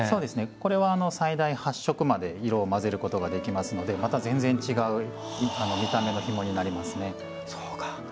これは最大８色まで色を交ぜることができますのでまた全然違う見た目のひもになりますね。